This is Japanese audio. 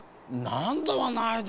なんだはないよ